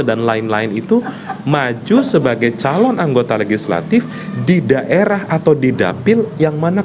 dan lain lain itu maju sebagai calon anggota legislatif di daerah atau di dapil yang mana